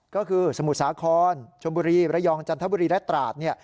ก็คือสมุทรสาครชมบุรีระยองจันทบุรีและตราด